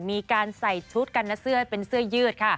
มีการใส่ชุดกันนะเสื้อเป็นเสื้อยืดค่ะ